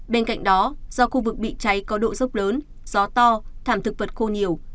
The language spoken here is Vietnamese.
bên cạnh đó do khu vực bị cháy có độ dốc lớn gió to thảm thực vật khô nhiều